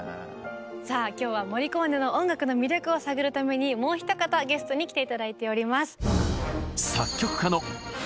さあ今日はモリコーネの音楽の魅力を探るためにもう一方ゲストに来て頂いております。